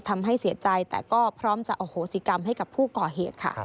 ทำให้เสียใจแต่ก็พร้อมจะอโหสิกรรมให้กับผู้ก่อเหตุค่ะ